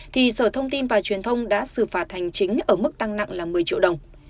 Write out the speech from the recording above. thì sở thông tin và truyền thông đã xử phạt hành chính ở mức tăng nặng là một mươi triệu đồng